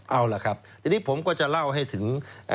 เอาล่ะครับทีนี้ผมก็จะเล่าให้ถึง